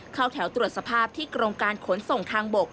เข้าแถวตรวจสภาพที่กรมการขนส่งทางบก